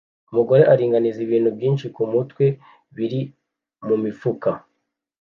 Umugore aringaniza ibintu byinshi kumutwe biri mumifuka